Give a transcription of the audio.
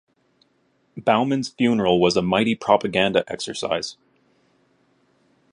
Bauman's funeral was a mighty propaganda exercise.